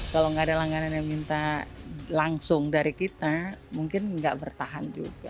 kalau nggak ada langganan yang minta langsung dari kita mungkin nggak bertahan juga